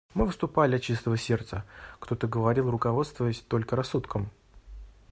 Мы выступали от чистого сердца; кто-то говорил, руководствуясь только рассудком.